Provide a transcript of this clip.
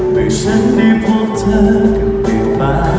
เพราะฉันได้พบเธอกันได้มา